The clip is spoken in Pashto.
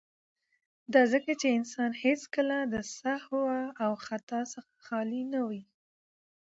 ، دا ځکه چې انسان هيڅکله د سهو او خطا څخه خالي نه وي.